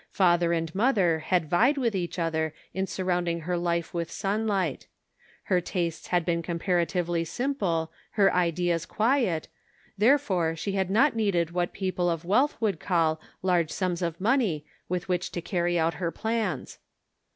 Father and mother had vied with each other in sur rounding her life with sunlight. Her tastes had been comparatively simple, her ideas quiet ; therefore she had not needed what people of Cake and Benevolence. 53 wealth would call large sums of money with which to carry out her plans.